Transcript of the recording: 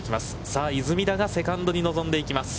さあ、出水田がセカンドに臨んでいきます。